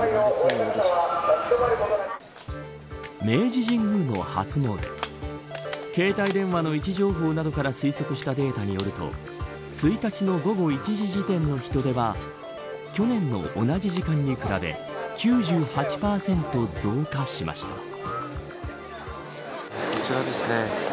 明治神宮の初詣携帯電話の位置情報などから推測したデータによると１日の午後１時時点の人出は去年の同じ時間に比べ９８％増加しました。